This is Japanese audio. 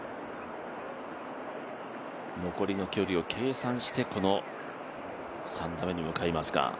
残りの距離を計算してこの３打目に向かいますが。